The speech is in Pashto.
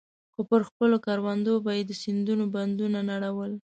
خو پر خپلو کروندو به يې د سيندونو بندونه نړول.